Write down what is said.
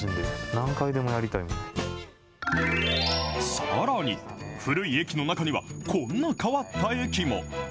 さらに、古い駅の中には、こんな変わった駅も。